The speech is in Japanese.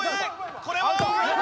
これは？